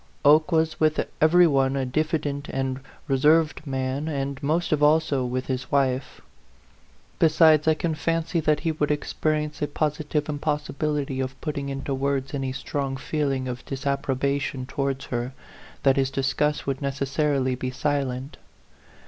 Oke was with every one a diffident and reserved man, and most of all so with his wife ; besides, I can fancy that he would experience a positive impossibility of putting into words any strong feeling of disapprobation towards her, that his disgust would necessarily be silent.